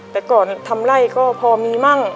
แต่ก่อนทำไล่ก็พอมีมั่ง